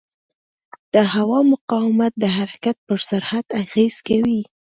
د هوا مقاومت د حرکت پر سرعت اغېز کوي.